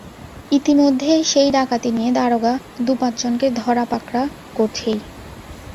ইতিমধ্যে সেই ডাকাতি নিয়ে দারোগা দু-পাঁচ জনকে ধরা-পাকড়া করছেই।